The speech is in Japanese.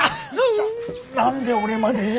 何で俺まで？